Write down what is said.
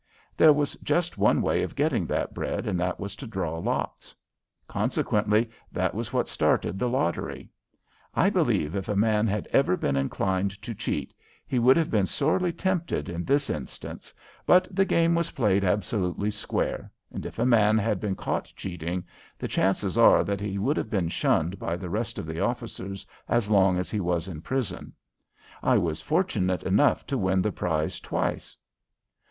There was just one way of getting that bread, and that was to draw lots. Consequently that was what started the lottery. I believe if a man had ever been inclined to cheat he would have been sorely tempted in this instance, but the game was played absolutely square, and if a man had been caught cheating, the chances are that he would have been shunned by the rest of the officers as long as he was in prison. I was fortunate enough to win the prize twice.